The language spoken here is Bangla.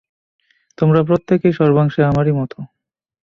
তোমরা প্রত্যেকেই সর্বাংশে আমারই মত।